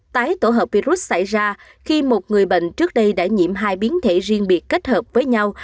tái tổ hợp virus xảy ra khi một người bệnh trước đây đã nhiễm hai biến thể riêng biệt kết hợp với nhau